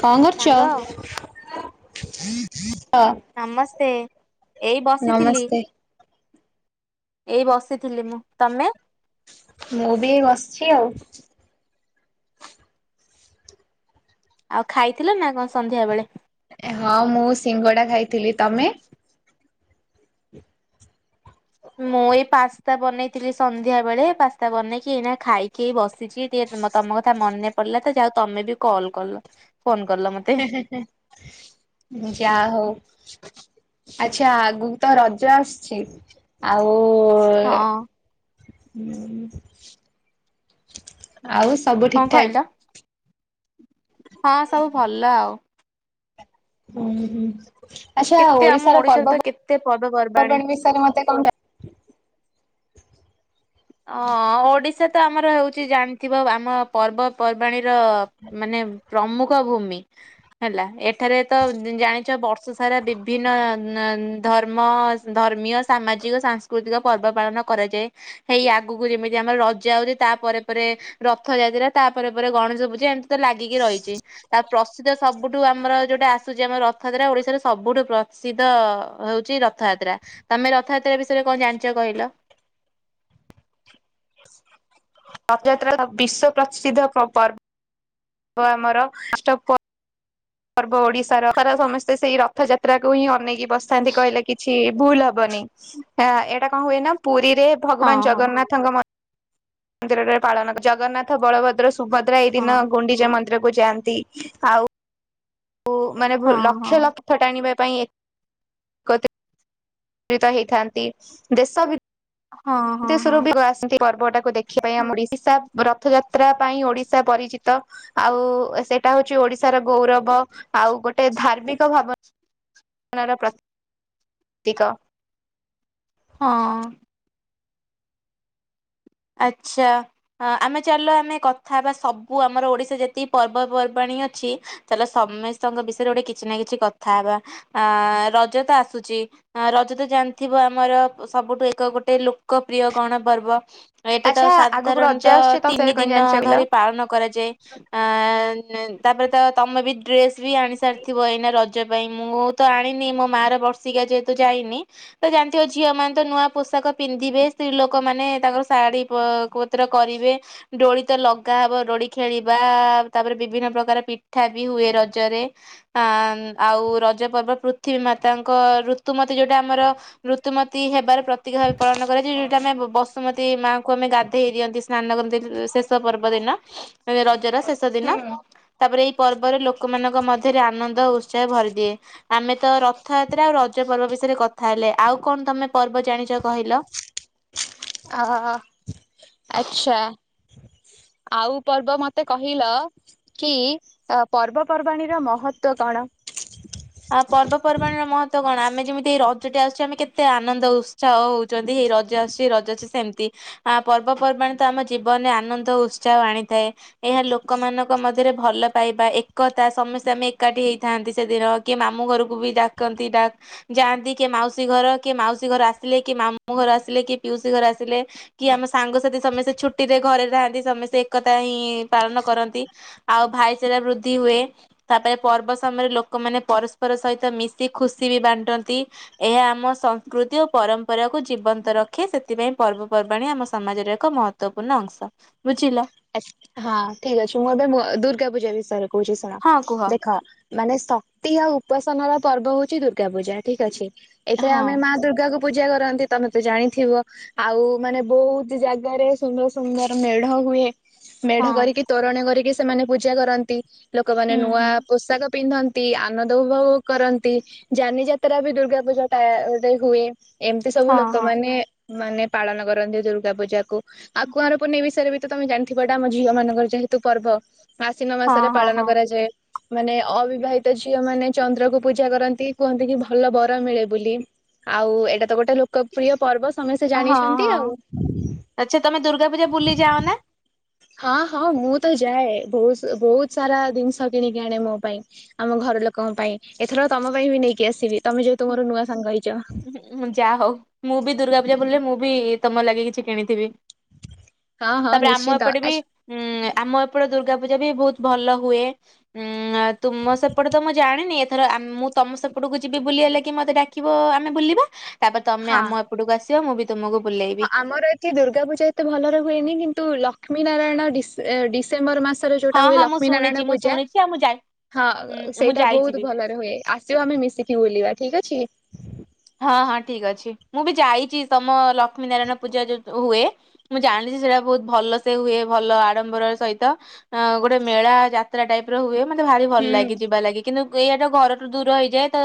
କଣ ସାଙ୍ଗ କରୁଚ ଅ ନମସ୍ତେ ଏଇ ବସିଥିଲି ନମସ୍ତେ। ଏଇ ବସିଥିଲି ମୁଁ ତମେ? ମୁ ବି ବସିଛି ଆଉ। ଆଉ ଖାଇଥିଲ ନାଁ କଣ ସନ୍ଧ୍ୟା ବେଳେ? ଏ ହଁ ମୁଁ ସିଙ୍ଗଡ଼ା ଖାଇଥିଲି ତମେ। ମୁଁ ଏଇ ପାସ୍ତା ବନେଇଥିଲି ସନ୍ଧ୍ୟା ବେଳେ ପାସ୍ତା ବନେଇକି ଏଇନା ଖାଇ କି ବସିଛି ଟିକେ ତମ ତମ କଥା ମନେ ପଡିଲା ତ ଯଉ ତମେ ବି କଲ୍ କଲ ଫୋନ କଲ ମ ହେଁ ହେଁ ହେଁ ଯାହା ହଉ। ଆଛା ଆଗୁକୁ ତ ରଜ ଆସୁଛି ଆଉ। ଏ ହଁ ହୁଁ ହୁଁ ଆଉ ସବୁ କଣ ଠିକ୍ ଠାକ୍? କହିଲ ହଁ ସବୁ ଭଲ ଆଉ। ଉଁ ହୁଁ। ଆଚ୍ଛା କେତେ ଆମ ଓଡିଶାର ଓଡିଶାରେ ପର୍ବ ତ କେତେ ପର୍ବପର୍ବାଣୀ ପର୍ବାଣୀ ବିଷୟରେ ମତେ କଣ ଅ ଓଡିଶା ତ ଆମର ହଉଚି ଜାଣିଥିବ ଆମ ପର୍ବପର୍ବାଣୀର ମାନେ ପ୍ରମୁଖ ଭୂମି ହେଲା। ଏ ଏଠାରେ ତ ଜାଣିଚ ବର୍ଷ ସାରା ବିଭିନ୍ନ ଧର୍ମ ଧର୍ମୀୟ ସାମାଜିକ ସାଂସ୍କୃତିକ ପର୍ବ ପାଳନ କରାଯାଏ। ହେଇ ଆଗକୁ ଯେମିତି ଆମର ରଜ ଆଉଚି ତା ପରେ ପରେ ରଥ ଯାତ୍ରା ତା ପରେ ପରେ ଗଣେଶ ପୂଜା ଏମ୍ ତି ଲାଗିକି ରହିଚି। ତା ପ୍ର ପ୍ରସିଦ୍ଧ ସବୁଠୁ ଆମର ଯୋଉଟା ଆସୁଚି ଆମର ରଥଯାତ୍ରା ଓଡିଶାର ସବୁଠୁ ପ୍ରସିଦ୍ଧ ହଉଚି ରଥଯାତ୍ରା। ତମେ ରଥଯାତ୍ରା ବିଷୟରେ କଣ ଜାଣିଚ କହିଲ? [inaudible] ରଥଯାତ୍ରା ବିଶ୍ଵ ପ୍ରସିଦ୍ଧ ପର୍ ପର୍ବ ଆମର। ପର୍ବ ଓଡିଶାର, ସମସ୍ତେ ସେଇ ରଥଯାତ୍ରାକୁୁ ହିଁ ଅନେଇକି ବସିଥାନ୍ତି କହିଲେ କିଛି ଭୁଲ ହବ ହବନି। ଏଇଟା କଣ ହୁଏ ନା ପୁରୀରେ ହଁ ଭଗବାନ ହଁ ଜଗନ୍ନା ଥ ଙ୍କ ମ ନ୍ଦିରରେ ପାଳନ, ଜଗନ୍ନାଥ ବଳଭଦ୍ର ସୁଭଦ୍ରା ଏହି ହଁ ଦିନ ଗୁଣ୍ଡି ଚା ମନ୍ଦିର କୁ ଯାଆନ୍ତି। ଆଉ ମାନେ ହଁ ଲକ୍ଷ ଲକ୍ଷ ହଁ ରଥ ଟାଣିବା ପାଇଁ ଏ କତ୍ରିତ ହେଇଥାନ୍ତି। ଦେଶ ବି ହଁ ହଁ ଦେଶ ହଁ ରୁ ବି [unintelligible] ପର୍ବ ଟାକୁ ଦେଖିବା ପାଇଁ ଆମ ଓଡିଶା ରଥଯାତ୍ରା ପାଇଁ ଓଡିଶା ପରିଚିତ। ଆଉ ସେଟା ହଉଚି ଓଡିଶାର ଗୌରବ। ଆଉ ଗୋଟେ ଧାର୍ମିକ ଭାବ ନା ର ପ୍ର ତିିକ। ହଁ। ଆଚ୍ଛା। ଅ ଆମେ ଚାଲିଲ ଆମେ କଥା ହବା ସବୁ ଆମର ଓଡିଶା ଯେତିକି ପର୍ବପର୍ବାଣୀ ଅଛି ଚାଲ ସମସ୍ତଙ୍କ ବିଷୟରେ ଗୋଟେ କିଛି ନା କିଛି କଥା ହବା। ଆ ରଜ ତ ଆସୁଚି। ଅ ରଜ ତ ଜାଣିଥିବ ଆମର ସବୁଠୁ ଏକ ଗୋଟେ ଲୋକପ୍ରିୟ ଗଣ ପର୍ବ। ଏଇଟା ତ ଆଚ୍ଛା ଆଗକୁ ରଜ ସାଧାରଣତଃ ଆସୁଛି ତମ ବିଷୟରେ ତିନି କଣ ଦିନ ଜାଣିଛ କହିଲ? ଧରି ପାଳନ କରାଯାଏ। ଆ [inaudible] ତାପରେ ତ ତମେ ବି ଡ୍ରେସ୍ ବି ଆଣି ସାରିଥିବ ଏଇନା ରଜ ପାଇଁ। ମୁଁ ତ ଆଣିନି ମୋ ମା ର ବର୍ଷିକିଆ ଯେହେତୁ ଯାଇନି। ତ ଜାଣିଥିବ ଝିଅ ମାନେ ତ ନୂଆ ପୋଷାକ ପିନ୍ଧିବେ। ସ୍ତ୍ରୀ ଲୋକ ମାନେ ତାଙ୍କର ଶାଢ଼ୀ ପତ୍ର କରିବେ। ଦୋଳି ତ ଲଗା ହବ ଦୋଳି ଖେଳିବା, ତାପରେ ବିଭିନ୍ନ ପ୍ରକାର ପିଠା ବି ହୁଏ ରଜରେ। ଆ ଆଉ ରଜ ପର୍ବ ପୃଥିବୀ ମାତାଙ୍କ ଋତୁମତି ଯୋଉଟା ଆମର ଋତୁମତୀ ହେବାର ପ୍ରତୀକ ଭାବେ ପାଳନ କରାଯାଏ। ଯୋଉଟା ଆମେ ବସୁମତୀ ମାଙ୍କୁ ଆମେ ଗାଧେଇ ଦିଅନ୍ତି। ସ୍ନାନ କରନ୍ତି ଶେଷ ପର୍ବ ଦିନ ରଜର ଶେଷ ଦିନ। ତାପରେ ଏଇ ପର୍ବରେ ଲୋ ଲୋକମାନଙ୍କ ମଧ୍ୟରେ ଆନନ୍ଦ ଓ ଉତ୍ସାହ ଭରିଦିଏ। ଆମେ ତ ରଥଯାତ୍ରା ଆଉ ରଜ ପର୍ବ ବିଷୟରେ କଥା ହେଲେ। ଆଉ କଣ ତମେ ପର୍ବ ଜାଣିଚ କହିଲ? ଆ ଆଛା। ଆଉ ପର୍ବ ମତେ କହିଲ କି ପର୍ବପର୍ବାଣୀର ମହତ୍ୱ କଣ? ଆ ପର୍ବପର୍ବାଣିର ମହତ୍ୱ କଣ, ଆମେ ଯେମିତି ରଜଟେ ଆସୁଚି ଆମେ କେତେ ଆନନ୍ଦ ଉତ୍ସାହ ହଉ ଚନ୍ତି ରଜ ଆସୁଚି ରଜ ଆସୁଚି ସେମତି। ଆ ପର୍ବପର୍ବାଣି ତ ଆମ ଜୀବନରେ ଆନନ୍ଦ ଉତ୍ସାହ ଆଣିଥାଏ। ଏହା ଲୋକମାନଙ୍କ ମଧ୍ୟରେ ଭଲ ପାଇବା ଏକତା ସମସ୍ତେ ଆମେ ଏକାଠି ହେଇଥାନ୍ତି ସେଦିନ। କିଏ ମାମୁ ଘରକୁ ବି ଡାକନ୍ତି ଡାକ୍ ଯାଆନ୍ତି କି ମାଉସୀ ଘର, କିଏ ମାଉସୀ ଘର ଆସିଲେ, କି ମାମୁଁ ଘର ଆସିଲେ, କି ପିଉସୀ ଘର ଆସିଲେ କି ଆମ ସାଙ୍ଗସାଥି ସମସ୍ତେ ଛୁଟି ରେ ଘରେ ଥାନ୍ତି ସମସ୍ତେ ଏକତା ହିଁ ପାଳନ କରନ୍ତି। ଆଉ ଭାଇଚାରା ବୃଦ୍ଧି ହୁଏ। ତାପରେ ପର୍ବ ସମୟରେ ଲୋକମାନେ ପରସ୍ପର ସହିତ ମିଶି ଖୁସି ବି ବାଣ୍ଟନ୍ତି। ଏହା ଆମ ସଂସ୍କୃତି ଓ ପରମ୍ପରାକୁୁ ଜୀବନ୍ତ ରଖେ। ସେଥିପାଇଁ ପର୍ବପର୍ବାଣୀ ଆମ ସମାଜର ଏକ ମହତ୍ ତ୍ୱପୂର୍ଣ୍ଣ ଅଂଶ। ବୁଝିଲ? ହଁ ଠିକ୍ ଅଛି ମୁଁ ଏବେ ଦୁର୍ଗା ପୂଜା ବିଷୟରେ କହୁଚି ଶୁଣ। ହଁ କୁହ ଦେଖ ମାନେ ଶକ୍ତି ଆଉ ଉପାସନ ର ପର୍ବ ହୋଉଚି ଦୁର୍ଗା ପୂଜା ଠିକ୍ ଅଛି। ଏଥିରେ ହଁ ଆମେ ମା ଦୁର୍ଗାକୁ ପୂଜା କରନ୍ତି ତମେ ତ ଜାଣିଥିବ। ଆଉ ମାନେ ବହୁତ୍ ଜାଗାରେ ସୁନ୍ଦର୍ ସୁନ୍ଦର୍ ମେଢ ହୁଏ। ମେଢ ହଁ କରିକି ତୋରଣ କରିକି ସେମାନେ ପୂଜା କରନ୍ତି। ଲୋକମାନେ ହୁଁ ନୂଆ ହୁଁ ପୋଷାକ ପିନ୍ଧ ନ୍ତି, ଆନନ୍ଦ ଉପଭୋଗ କରନ୍ତି, ଯାନି ଯାତ୍ରା ବି ଦୁର୍ଗା ପୂଜା ଟା ଗୋଟେ ହୁଏ। ଏମିତି ସବୁ ହଁ ହଁ ଲୋକମାନେ ମାନେ ପାଳନ କରନ୍ତି ଦୁର୍ଗା ପୂଜା କୁ। ଆଉ କୁଆଁର ପୁନେଇ ବିଷୟରେ ବି ତମେ ଜାଣ ଥିବ ଏଟା ଆମ ଝିଅ ମାନଙ୍କର ଯେହେତୁ ପର୍ବ ଆଶିନ ହଁ ମାସରେ ହଁ ପାଳନ ହଁ କରାଯାଏ। ମାନେ ଅବିବାହିତା ଝିଅ ମାନେ ଚନ୍ଦ୍ରକୁ ପୂଜା କରନ୍ତି କୁହନ୍ତି କି ଭଲ ବର ମିଳେ ବୋଲି। ଆଉ ଏଇଟା ତ ଗୋଟେ ଲୋକପ୍ରିୟ ପର୍ବ ସମସ୍ତେ ଜାଣିଛନ୍ତି ଆଉ। ଆଛା ତମେ ଦର୍ଗା ପୂଜା ବୁଲି ଯାଅ ନା? ହଁ ହଁ ମୁଁ ତ ଯାଏ ଭୋହୁସ ବୋହୁତ୍ ସାରା ଦିନଷ କିଣିକି ଆଣେ ମୋ ପାଇଁ। ଆମ ଘର ଲୋକଙ୍କ ପାଇଁ। ଏଥର ତମ ପାଇଁ ବି ନେଇକି ଆସିବି। ତମେ ଯେହେତୁ ମୋର ନୂଆ ସାଙ୍ଗ ହେଇଚ। ହୁଁ ଯାହା ହୋଉ ମୁଁ ବି ଦୁର୍ଗା ପୂଜା ବୁଲିଲେ ମୁଁ ବି ତମ ଲାଗି କିଛି କିଣିଥିବି। ହଁ ହଁ ତାପରେ ଆମ ନିଶ୍ଚିନ୍ତ ଏପଟେ ବି ଆଚ୍ଛା ହୁଁ ଆମ ଏପଟେ ଦୁର୍ଗା ପୂଜା ବି ବହୁତ୍ ଭଲ ହୁଏ। ଉଁ ତୁମ ସେପଟେ ତ ମୁଁ ଜାଣିନି ଏଥର ଆ ମୁଁ ତମ ସେପଟକୁ ଯି ବି ବୁଲିବାଲାଗି କି ମତେ ଡାକିବ ଆମେ ବୁଲିବା। ତାପରେ ତମେ ହଁ। ଆମ ଏପଟକୁ ଆସିବ ମୁଁ ବି ତମକୁ ହଁ ବୁଲେଇବି। ଆମର ଏଠି ଦୁର୍ଗାପୂଜା ଏତେ ଭଲରେ ହୁଏନି କିନ୍ତୁ ଲକ୍ଷ୍ମୀ ନାରାୟଣ ଡିସ ଡିସେମ୍ବର ମାସ ସ ରେ ଯୋଉଟା ହଁ ହୁଏ ହଁ ମୁଁ ଲକ୍ଷ୍ମୀ ଶୁଣିଛି ନାରାୟଣ ମୁଁ ପୂଜା। ଶୁଣିଛି ଆଉ ମୁଁ ଯାଇ ହଁ ମୁଁ ସେଇଟା ଯାଇଛି ବି। ବହୁତ୍ ଭଲରେ ହୁଏ ଆସିବ ଆମେ ମିଶିକି ବୁଲିବା ଠିକ୍ ଅଛି। ହଁ ହଁ ଠିକ୍ ଅଛି ମୁଁ ବି ଯାଇଚି ତମ ଲକ୍ଷ୍ମୀ ନାରାୟଣ ପୂଜା ଯ ଯୋ ହୁଏ। ମୁଁ ଜାଣିଚି ସେଟା ବହୁତ୍ ଭଲ ସେ ହୁଏ ଭଲ ଆଡମ୍ବର ସହିତ। ଆ ଗୋଟେ ମେଳା ଯାତ୍ରା ଟାଇପ୍ ର ହୁଏ ମତେ ଭାରି ହୁଁ ଭଲ୍ ଲାଗେ ଯିବା ଲାଗି। କିନ୍ତୁ ଏଇଆଟ ଘରଠୁ ଦୂର ହେଇଯାଏ। ତ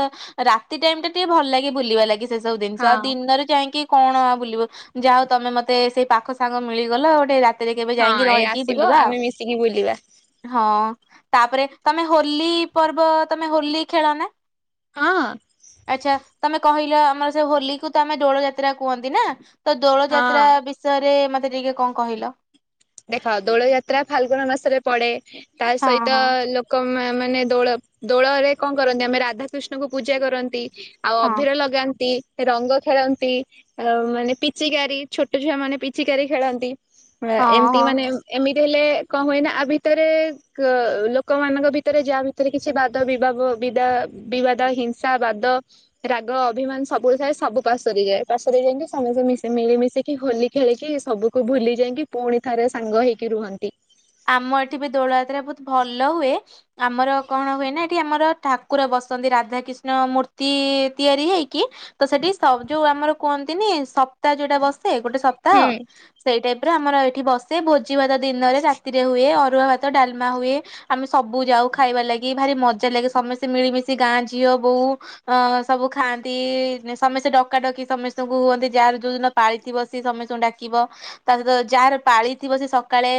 ରାତି ଟାଇମ୍ ଟା ଟିକେ ଭଲ୍ ଲାଗେ ବୁଲିବା ଲାଗି। ସେ ସବୁ ଦିନଷ ଆଉ ହଁ ଦିନରେ ଯାଇଙ୍କି କଣ ଆଉ ବୁଲିବୁ ଯାହା ହୋଉ ତମେ ମତେ ସେଇ ପାଖ ସାଙ୍ଗ ମିଳିଗଲ ଗୋଟେ ରା ତି ରେ କେବେ ହଁ ଯାଇଁକି ଏଇ ରହିକି ଆସିବ ବୁଲିବା ଆଉ। ଆମେ ମିଶିକି ବୁଲିବା ହଁ ତାପରେ ତମେ ହୋଲି ପର୍ବ ତମେ ହୋଲି ଖେଳ ନା? ହଁ ଆଚ୍ଛା। ତମେ କହିଲ ଆମର ସେ ହୋଲିକୁୁ ତ ଆମେ ଦୋଳ ଯାତ୍ରା କୁହନ୍ତି ନା। ତ ଦୋଳ ହଁ। ଯାତ୍ରା ବି ଶୟରେ ମତେ ଟିକେ କଣ କହିଲ? ଦେଖ ଦୋଳ ଯାତ୍ରା ଫାଲଗୁନ ମାସରେ ପଡେ। ତା ହଁ ସହିତ ହଁ ଲୋ କମାନେ ଦୋଳ ଦୋଳରେ କଣ କରନ୍ତି? ଆମେ ରାଧାକ୍ରିଷ୍ଣଙ୍କୁ ପୂଜା କରନ୍ତି। ଆଉ ହଁ ଅଭିିର ଲଗାନ୍ତି। ରଙ୍ଗ ଖେଳନ୍ତି ଆ ମାନେ ପିଚିକାରି ଛୋଟ ଛୁଆ ମାନେ ପିଚିକାରି ଖେଳନ୍ତି ହଁ ଏମତି ହଁ ମାନେ ଏମିତି ହେଲେ କଣ ହୁଏନା ଆ ଭିତରେ ଲୋକମାନଙ୍କ ଭିତରେ ଯାହା ଭିତରେ କିଛି ବାଦ ବିବାବ ବିଦ ବିବାଦ ହିଂସା ବାଦ ରାଗ ଅଭିମାନ ସବୁବେଳେ ଥାଏ ସବୁ ପାସରେ ଯାଏ ପାସରେ ଯାଇକି ସମସ୍ତେ ମିଶି ମିଳିମିଶିକି ହୋଲି ଖେଳିକି ସବୁକୁ ଭୁଲି ଯାଇକି ପୁଣି ଥରେ ସାଙ୍ଗ ହେଇକି ରୁହନ୍ତି ଆମ ଏଠି ବି ଦୋଳ ଯାତ୍ରା ବହୁତ ଭଲ ହୁଏ ଆମର କଣ ହୁଏ ନା ଏଠି ଆମର ଠାକୁର ବସନ୍ତି ରାଧାକିଷ୍ଣ ମୂର୍ତ୍ତି ତିଆରି ହେଇକି ତ ସେଠି ସ ଯୋଉ ଆମର କୁହନ୍ତିନି ସପ୍ତାହ ଯୋଉଟା ବସ୍ ଗୋଟେ ସପ୍ତାହ ହୁଁ ସେଇ ଟାଇପ ର ଆମର ଏଇଠି ବସେ ଭୋଜିଭାତ ଦିନରେ ରା ହୁଏ ଅରୁଆ ଭାତ ଡାଲମା ହୁଏ ଆମେ ସବୁ ଯାଉ ଖାଇବା ଲାଗି ଭାରି ମଜା ଲାଗେ ସମସ୍ତେ ମିଳିମିଶି ଗାଁ ଝିଅ ବୋଉ ଅ ସବୁ ଖାଆନ୍ତି ସମସ୍ତେ ଡକାଡକି ସମସ୍ତଙ୍କୁ ହୁଅନ୍ତି ଯାହାର ଯୋଉ ଦିନ ପାଳି ଥିବ ସେ ସମସ୍ତ ଙ୍କୁ ଡାକିବ ତା ସହିତ ଯାହାର ପାଳି ଥିବ ସେ ସକାଳେ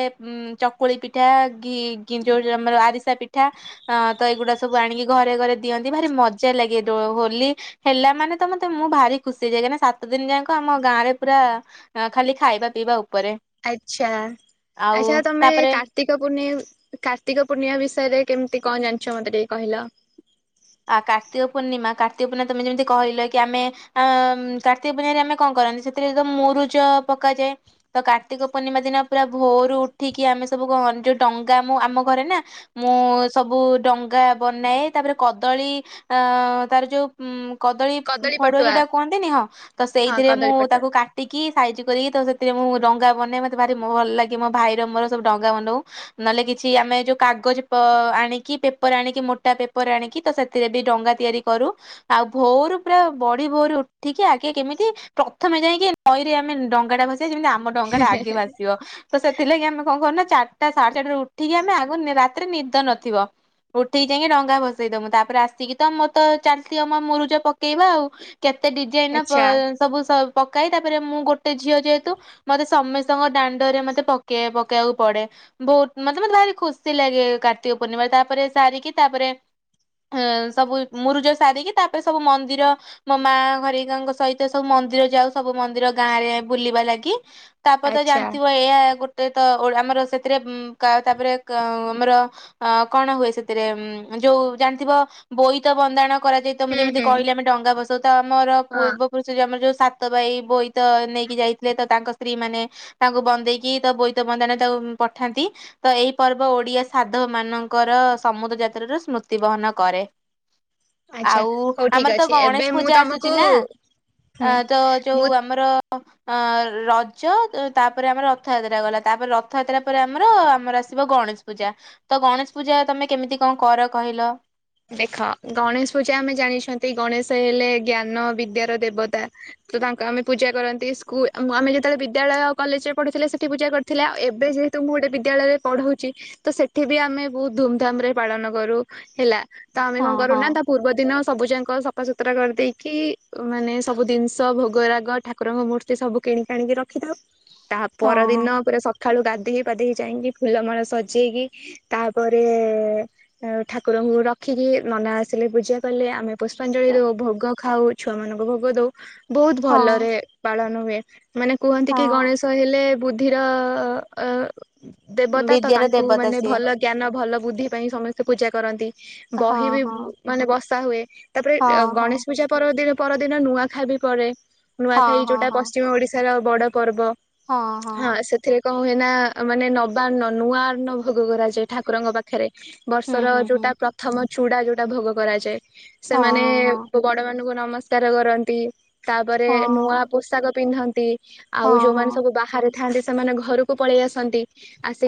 ଉ ଚକୁଳି ପିଠା କି ଯେଉ ଯେଉ ଆମର ଆରିସା ପିଠା ଅ ତ ଏଇଗୁଡା ସବୁ ଆଣିକି ଘରେ ଘରେ ଦିଅନ୍ତି ଭାରି ମଜା ଲାଗେ ଦ ହୋଲି ହେଲା ମାନେ ତ ମତେ ମୁଁ ଭାରି ଖୁସି ହେଇଯାଏ କାଇଁକିନା ସାତ ଦିନ ଯାକ ଆମ ଗାଁରେ ପୁରା ଅ ଖାଲି ଖାଇବା ପିଇବା ଉପରେ ଆଚ୍ଛା ଆଚ୍ଛା ଆଉ ତମେ କା ତାପରେ କାର୍ତ୍ତିକ ପୂନେଇ କାର୍ତ୍ତିକ ପୂର୍ଣ୍ଣିମା ବିଷୟରେ କେମିତି କଣ ଜାଣିଛ ମତେ ଟିକେ କହିଲ ଆ କାର୍ତ୍ତିକ ପୂର୍ଣ୍ଣିମା କାର୍ତ୍ତିକ ପୂର୍ଣ୍ଣିମା ତମେ ଯେମତି କହିଲ କି ଆମେ ଆ କାର୍ତ୍ତିକ ପୂର୍ଣ୍ଣିିମାରେ ଆମେ କଣ କରନ୍ତି ସେଥିରେ ଯ ମୁରୁଜ ପକାଯାଏ ତ କାର୍ତ୍ତିକ ପୂର୍ଣ୍ଣିମା ଦିନ ପୁରା ଭୋରୁ ଉଠିକି ଆମେ ସବୁ ଯୋଉ ଡଙ୍ଗା ମୁ ଆମ ଘରେ ନା ମୁଁ ସବୁ ଡଙ୍ଗା ବନାଏ ତାପରେ କଦଳୀ ଅ ତାର ଯୋଉ ଉଁ କଦଳୀ ଫଡଆ ଯୋଉଟା କୁହନ୍ତିନି ହଁ ତ ହଁ ସେଇଥିରେ କଦଳୀ ମୁଁ ପଟୁଆ ତାକୁ କାଟି ଟିକି ସାଇଜି କରିକି ତ ସେଥିରେ ମୁଁ ଡଙ୍ଗା ବନେଇ ମତେ ଭାରି ଭଲ ଲାଗେ ମୋ ଭାଇର ମୋର ସବୁ ଡଙ୍ଗା ବନଉ ନହେଲେ କିଛି ଆମେ ଯୋଉ କାଗଜ ପ ଆଣିକି ପେପର ଆଣିକି ମୋଟା ପେପ ପେପର୍ ଆଣିକି ତ ସେଥିରେ ବି ଡଙ୍ଗା ତିଆରି କରୁ ଆଉ ଭୋଉର ପୁରା ବଢି ଭୋର ଉଠିକି ଆଗେ କେମିତି ପ୍ରଥମେ ଯାଇକି ନଈରେ ଆମେ ଡଙ୍ଗା ଟା ଭସେଇବା ଯେମିତି ଆମ ଡଙ୍ଗାଟା ଆଗେ ଭାସିଯିବ ତ ସେଥିଲାଗି ଆମେ କଣ କରୁନା ଚାରିଟା ସାଢେ ଚାରିଟାରୁ ଉଠିକି ଆମେ ଆଗ ରାତିରେ ନିଦ ନଥିବ ଉଠିକି ଯାଇକି ଡଙ୍ଗା ବସେଇଦବୁ ତାପରେ ଆସିକି ତ ମୋ ତ ଚାଲିଛି ଆମ ମୁରୁଜ ପକେଇବା ଆଉ କେତେ ଡିଜାଇନ ବ ଆଚ୍ଛା ସବୁ ପକାଏ ତାପରେ ମୁଁ ଗୋଟେ ଝିଅ ଯେହେତୁ ମତେ ସମସ୍ତଙ୍କ ଦାଣ୍ଡରେ ମତେ ପକେଇ ପକେଇବାକୁ ପଡେ ବହୁତ ମତେ ମତେ ଭାରି ଖୁସି ଲାଗେ କାର୍ତ୍ତିକ ପୂର୍ଣ୍ଣିମା ତାପରେ ସାରିକି ତାପରେ ହ ସବୁ ମୁରୁଜ ସାରିକି ତାପରେ ସବୁ ମନ୍ଦିର ମୋ ମା ଘର ଗାଙ୍କ ସହିତ ସବୁ ମନ୍ଦିର ଯାଉ ସବୁ ମନ୍ଦିର ଗାଁ ରେ ବୁଲିବା ଲାଗି ତାପରେ ତ ଆଚ୍ଛା ଜାଣିଥିବ ଏଇ ଆ ଗୋଟେ ତ ଆମର ସେଥିରେ ତାପରେ ଆମର ଅ କଣ ହୁଏ ସେଥିରେ ଉଁ ଯୋଉ ଜାଣିଥିବ ବୋଇତ ବନ୍ଦାଣ କରାଯାଇ ତ ମୁଁ ହୁଁ ଯେମିତି ହୁଁ କହିଲି ଆମେ ଡଙ୍ଗା ଭସା ତ ଆମର ହଁ ପୂର୍ବ ଆମର ଯୋଉ ସାତ ଭାଇ ବୋଇ ତ ନେଇକି ଯାଇଥିଲେ ତ ତାଙ୍କ ସ୍ତ୍ରୀ ମାନେ ତାଙ୍କୁ ବନ୍ଦେଇକି ତା ବୋଇତ ବନ୍ଦାଣ ତାକୁ ପଠାନ୍ତି ତ ଏହିଇ ପର୍ବ ଓଡିଆ ସାଧବ ମାନଙ୍କର ସମୁଦ୍ର ଯାତ୍ରାର ସ୍ମୃତି ତିବହନ କରେ ଆଚ୍ଛା ଆଉ ହଉ ଠିକ ଆମର ତ ଅଛି ଏବେ ଗଣେଶ ମୁଁ ପୂଜା ତମକୁ ଆସୁଛି ନା ହୁଁ ତ ମୁଁ ଯୋଉ ଆମର ଅ ରଜ ତାପରେ ଆମର ରଥଯାତ୍ରା ଗଲା ତାପରେ ରଥଯାତ୍ରା ପରେ ଆମର ଆମର ଆସିବ ଗଣେଶ ପୂଜା। ତ ଗଣେଶ ପୂଜା ତମେ କେମିତି କଣ କର କହିଲ? ଦେଖ ଗଣେଶ ପୂଜା ଆମେ ଜାଣିଛନ୍ତି ଗଣେଶ ହେଲେ ଜ୍ଞାନ ବିଦ୍ୟାର ଦେବତା। ତ ତାଙ୍କୁ ଆମେ ପୂଜା କରନ୍ତି। ସ୍କୁଲ ଆମେ ଯେତେବେଳେ ବିଦ୍ୟାଳୟ, କଲେଜରେ ପଢ଼ିଥିଲେ ସେଠି ପୂଜା କରି ଥିଲେ ଆଉ ଏବେ ଯେହେତୁ ମୁଁ ଗୋଟେ ବିଦ୍ୟାଳୟରେ ପଢଉଛି ତ ସେଠି ବି ଆମେ ବହୁତ ଧୁମଧାମ ରେ ପାଳନ କରୁ ହେଲା। ତ ଆମେ ହଁ କଣ ହଁ। କରୁନା ପୂର୍ବ ଦିନ ସବୁ ଯାକ ସଫାସୁତୁରା କରିଦେଇକି ମାନେ ସବୁ ଜିନିଷ ଭୋଗରାଗ, ଠା କୁରଙ୍କ ମୂର୍ତ୍ତି ସବୁ କିଣି କି ଆଣିକି ରଖିଥାଉ। ତା ହଁ ପର ଦିନ ପୁରା ସକାଳୁ ଗାଧେଇ -ପାଧେଇ ଯାଇକି ଫୁଲମାଳ ସଜେଇକି ତାପରେ ଠାକୁରଙ୍କୁ ର ଖିକି ନନା ଆସିଲେ ପୂଜା କଲେ, ଆମେ ପୁଷ୍ପାଞ୍ଜଳି ଦେଉ, ଭୋଗ ଖାଉ, ଛୁଆମାନଙ୍କୁ ଭୋଗ ଦେଉ। ବହୁତ ହଁ। ଭଲରେ ପାଳନ ହୁଏ। ମାନେ କୁହନ୍ତି କି ହଁ ଗଣେଶ ହେଲେ ବୁଦ୍ଧି ର ଦେବତା ତ ବିଦ୍ୟାର ତାଙ୍କୁ ଦେବତା ମାନେ ସିଏ ଭଲ ଜ୍ଞାନ, ଭଲ ବୁଦ୍ଧି ପାଇଁ ସମସ୍ତେ ପୂଜା କରନ୍ତି। ହଁ ବହି ବି ହଁ। ମାନେ ବସା ହୁଏ। ତାପରେ ହଁ ହଁ ଗଣେଶ ପୂଜାିନ ପରଦିନ ନୂଆଖାଇ ବି ପଡେ। ହଁ ନୂଆଖାଇ ହଁ ଯୋଉଟା ହଁ ପଶ୍ଚିମ ଓଡିଶା ର ବଡ ପର୍ବ। ହଁ ସେ ସେଥିରେ କଣ ହୁଏ ନା ମାନେ ନବାନ୍ନ ନୂଆ ଅନ୍ନ ଭୋଗ କରାଯାଏ ଠାକୁରଙ୍କ ପାଖରେ। ପାଖରେ ହୁଁ ବର୍ଷର ହୁଁ ହୁଁ ଯୋଉଟା ପ୍ରଥମ ଚୁଡା ଯୋଉଟା ଭୋଗ କରାଯାଏ। ହଁ ସେମାନେ ହଁ ହଁ। ବଡ ମାନଙ୍କୁ ନମସ୍କାର କରନ୍ତି, ତାପରେ ହଁ ନୂଆ ପୋଷାକ ପିନ୍ଧନ୍ତି। ଆଉ ହଁ ଯୋଉମାନେ ହଁ। ସବୁ ବାହାରେ ଥାଆନ୍ତି ସେମାନେ ଘରକୁ ପଳେଇ ଆସନ୍ତି।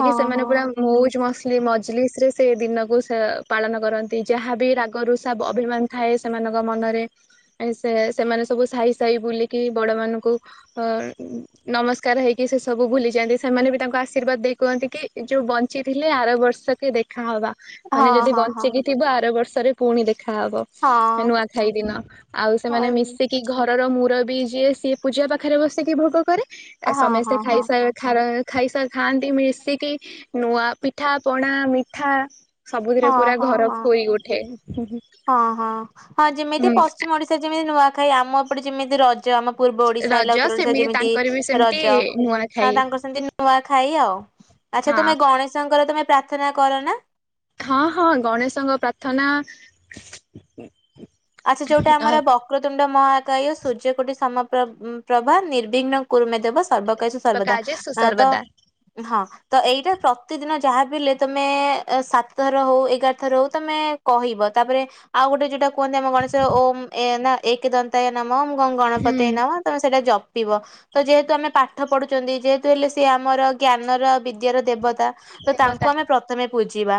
ହଁ ସେମାନେ ହଁ ପୁରା ମଉଜ ମସଲି ମଜଲିସ ରେ ସେ ଦିନକୁ ସେ ପାଳନ କରନ୍ତି। ଯାହାବି ରାଗରୁଷା ଅଭିମାନ ଥାଏ ସେମାନଙ୍କ ମନରେ ସେ ସେମାନେ ସବୁ ସାହି ସହି ବୁଲିକି ବଡମାନଙ୍କୁ ଅ ନମସ୍କାର ହେଇକି ସେ ସବୁ ଭୁଲି ଯାଆନ୍ତି। ସେମାନେ ବି ତାଙ୍କୁ ଆଶୀର୍ବାଦ ଦେଇ କୁହନ୍ତି କି ଯୋଉ ବଞ୍ଚିଥିଲେ ଆର ବର୍ଷ ରେ ଦେଖା ହବା। ହଁ ହଁ ହଁ। ଥିବ ଆର ବର୍ଷରେ ପୁଣି ଦେଖାହବ ହଁ ନୂଆଖାଇ ଦିନ। ଆଉ ସେମାନେ ହଁ ମିଶିକି କି ଘରର ମୁରବି ଯିଏ ସିଏ ପୂଜା ପାଖରେ ବସିକି ଭୋଗ କରେ ହଁ ସମସ୍ତେ ହଁ ହଁ। ଖାଇସାରି ଖର ଖାଇସାର ଖାଆନ୍ତି ମିଶିକି ନୂଆ ପିଠାପଣା, ମିଠା ସବୁ ହଁ ପୁରା ହଁ ଘର ହଁ। ଫୋଇ ଉଠେ। ହଁ ହଁ ହଁ ଯେମିତି ହୁଁ ପଶ୍ଚିମ ଓଡିଶା ଯେମିତି ନୂଆଖାଇ ଆମ ଏପଟେ ଯେମିତି ରଜ ଆମ ପୂର୍ବ ଓଡିଶା ହେଲା ରଜ ଉତ୍ତର ଓଡିଶା ସେମିତି ଯେମିତି ତାଙ୍କର ବି ସେମିତି ରଜ। ନୂଆ ଆ ଖାଇ ତାଙ୍କର ସେମିତି ନୂଆ ଖାଇ ଆଉ। ଆଚ୍ଛା ହଁ ତୁମେ ଗଣେଶଙ୍କର ତମେ ପ୍ରାର୍ଥନା କର ନା? ହଁ ହଁ ଗଣେଶଙ୍କ ପ୍ରାର୍ଥନା ଆଚ୍ଛା ଯୋଉଟା ଅ ଆମର ବ କ୍ରତୁଣ୍ଡ ମହାକାୟ ସୂର୍ଯ୍ୟ କୋଟି ସମପ୍ରଭା ନିର୍ବିଘ୍ନ କୁରୁମେ ଦେବ ସର୍ବକାର୍ଯେ ସୁ ସର୍ବଦା, କାଜେ ତ ସୁସର୍ବଦା ହଁ ତ ଏଇଟା ପ୍ରତିଦିନ ଯାହା ବି ହେଲେ ତମେ ସାତ ଥର ହଉ ଏଗାର ଥର ହଉ ତମେ କହିବ। ତାପରେ ଆଉ ଗୋଟେ ଯୋଉଟା କୁହନ୍ତି ଆମ ଗଣେଶର ଓମ୍ ଏକ ଦନ୍ତାୟ ନମଃ ଗଣ୍ ହୁଁ ଗଣପତାୟ ନମଃ ତମେ ସେଇଟା ଜପି ପିବ। ତ ଯେହେତୁ ଆମେ ପାଠ ପଢୁଛନ୍ତି ଯେହେତୁ ହେଲେ ସିଏ ଆମର ଜ୍ଞାନର, ବିଦ୍ୟାର ଦେବତା ତ ତାଙ୍କୁ ଦେବତା ଆମେ ପ୍ରଥମେ ପୂଜିବା।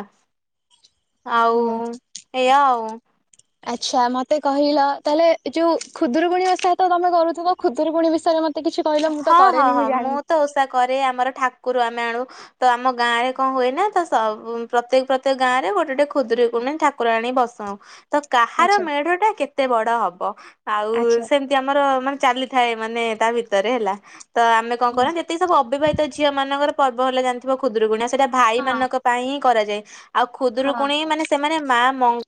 ଆଉ ହୁଁ ଏଇଆ ଆଉ। ଆଚ୍ଛା ମତେ କହିଲ, ତାହେଲେ ଯୋଉ ଖୁଦୁରୁକୁଣୀ ଓଷା ତ ତମେ କରୁଥିବ ଖୁଦୁରୁକୁୁଣୀ ବିଷୟରେ ମତେ କିଛି କହିଲ ମୁଁ ତ ହଁ ହଁ କରେନି ହଁ ମୁଁ ଜାଣିନି? ମୁଁ ତ ଓଷା କରେ। ଆମର ଠାକୁର ଆମେ ଆଣୁ। ତ ଆମ ଗାଁରେ କଣ ହୁଏ ନା ତ ପ୍ରତ୍ୟେକ ପ୍ରତ୍ୟେକ ଗାଁ ରେ ଗୋଟେ ଗୋଟେ ଖୁଦୁରୁକୁଣୀ ଠାକୁ କୁର ଆଣିକି ବସାଉ। ତ କାହାର ଆଚ୍ଛା ମେଢ ଟା କେତେ ବଡ ହବ, ଆଉ ଆଚ୍ଛା ସେମି ଆମର ମାନେ ଚାଲିଥାଏ ମାନେ ତା ଭିତରେ ହେଲା ତ ଆମେ କଣ କର ଯେତିକି ସବୁ ଅବିବାହିତ ଝିଅ ମାନଙ୍କର ପର୍ବ ହେଲା ଜାଣିଥିବ ଖୁଦୁକୁଣଣି ଆ ସେଇଟା ଭାଇ ହଁ ମାନଙ୍କ ପାଇଁ ହିଁ କରାଯାଏ। ଆଉ ହଁ ଖୁଦରୁକୁୁଣି ମାନେ ସେମାନେ ମା ମଙ୍ଗ